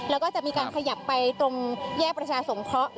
แล้วก็จะมีการขยับไปตรงแยกประชาสงเคราะห์